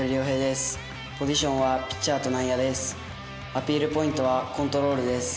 アピールポイントはコントロールです。